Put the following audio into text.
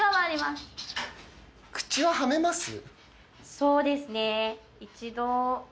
そうですね。